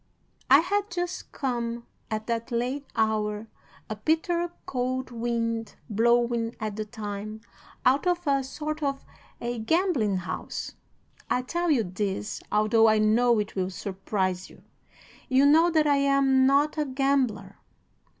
I had just come, at that late hour, a bitter, cold wind blowing at the time, out of a sort of a gambling house I tell you this, although I know it will surprise you. You know that I am not a gambler.